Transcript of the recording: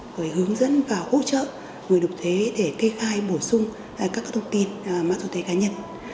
và hướng dẫn và hỗ trợ người nộp thuế để kê khai bổ sung các thông tin mắc dữ liệu cá nhân